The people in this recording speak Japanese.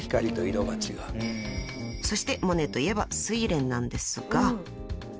［そしてモネといえば『睡蓮』なんですが］